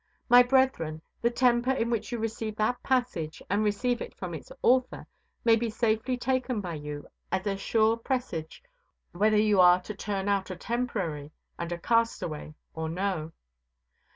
My brethren, the temper in which you receive that passage, and receive it from its author, may be safely taken by you as a sure presage whether you are to turn out a Temporary and a Castaway or no.